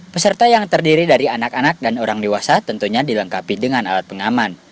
peserta yang terdiri dari anak anak dan orang dewasa tentunya dilengkapi dengan alat pengaman